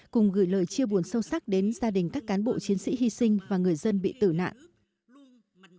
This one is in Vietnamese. cùng gửi lời chia buồn sâu sắc đến gia đình các cán bộ chiến sĩ hy sinh và người dân bị tử nạn